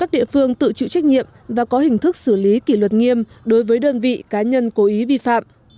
địa phương tự chịu trách nhiệm và có hình thức xử lý kỷ luật nghiêm đối với đơn vị cá nhân cố ý vi phạm